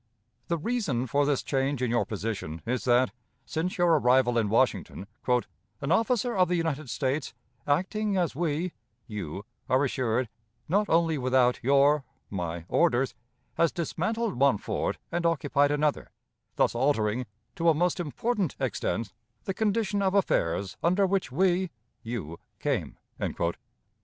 The reason for this change in your position is that, since your arrival in Washington, "an officer of the United States, acting as we (you) are assured, not only without your (my) orders, has dismantled one fort and occupied another, thus altering, to a most important extent, the condition of affairs under which we (you) came."